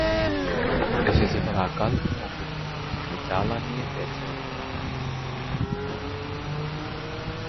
দেশে যেবার আকাল, মগের মুলুক থেকে চাল আনিয়ে বেচে ওর টাকা।